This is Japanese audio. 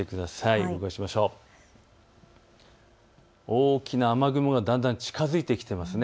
大きな雨雲がだんだん近づいてきています。